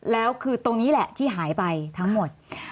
แล้วคือตรงนี้แหละที่หายไปทั้งหมด